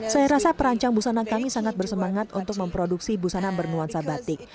saya rasa perancang busana kami sangat bersemangat untuk memproduksi busana bernuansa batik